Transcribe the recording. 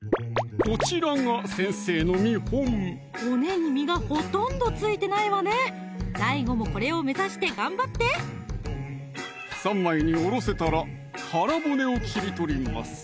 こちらが先生の見本骨に身がほとんど付いてないわねＤＡＩＧＯもこれを目指して頑張って３枚におろせたら腹骨を切り取ります